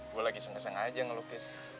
gue lagi seng seng aja ngelukis